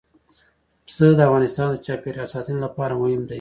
پسه د افغانستان د چاپیریال ساتنې لپاره مهم دي.